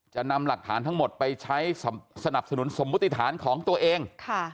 จะนำหลักฐานทั้งหมดไปใช้สนับสนุนสมมุติฐานของตัวเอง